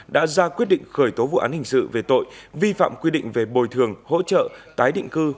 đã ra quyết định khởi tố vụ án hình sự về tội vi phạm quy định về bồi thường hỗ trợ tái định cư